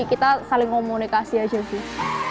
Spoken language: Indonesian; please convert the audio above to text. kita saling komunikasi aja sih